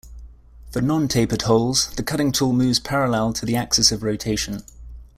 For nontapered holes, the cutting tool moves parallel to the axis of rotation.